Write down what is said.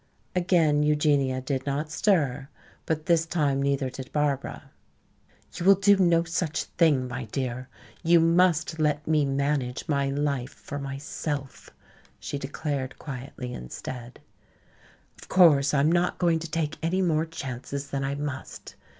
Again Eugenia did not stir, but this time neither did Barbara. "You will do no such thing, my dear; you must let me manage my life for myself," she declared quietly instead. "Of course, I am not going to take any more chances than I must.